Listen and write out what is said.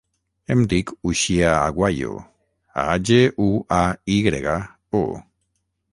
Em dic Uxia Aguayo: a, ge, u, a, i grega, o.